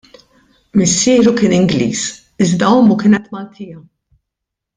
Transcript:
Missieru kien Ingliż iżda ommu kienet Maltija.